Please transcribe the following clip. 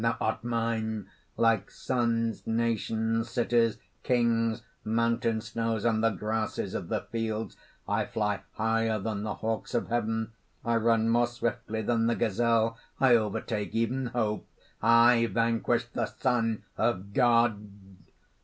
Thou art mine, like suns, nations, cities, kings, mountain snows, and the grasses of the fields. I fly higher than the hawks of heaven. I run more swiftly than the gazelle; I overtake even Hope; I vanquished the Son of God!"